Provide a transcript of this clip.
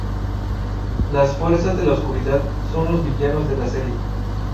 Las Fuerzas de la Oscuridad son los villanos de la serie.